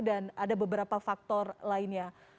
dan ada beberapa faktor lainnya